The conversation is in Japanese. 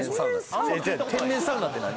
天然サウナって何？